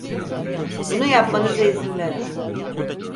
Bunu yapmanıza izin veremem.